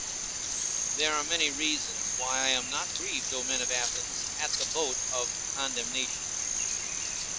THERE are many reasons why I am not grieved, O men of Athens, at the vote of condemnation.